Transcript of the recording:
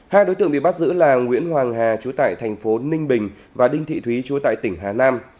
hai đối tượng bị bắt giữ là nguyễn hoàng hà chú tại thành phố ninh bình và đinh thị thúy chú tại tỉnh hà nam